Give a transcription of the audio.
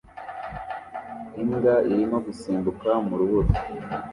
Imbwa irimo gusimbuka mu rubura